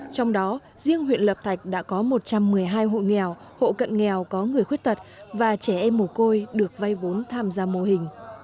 trong đó riêng huyện lập thạch đã có một trăm một mươi hai hộ nghèo hộ cận nghèo có người khuyết tật và trẻ em mồ côi được vay vốn tham gia mô hình